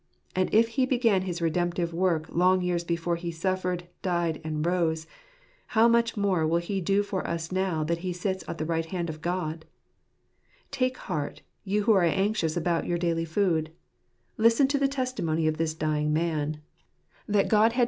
And if He began his redemptive work long years before He suffered, died, and rose, how much more will He do for us now that He sits on the right hand of God ! Take heart, you who are anxious about your daily food. Listen to the testimony of this dying man, that God had i5 2 Jlrrseplx at tfee gcatiy getr uf Jaroh.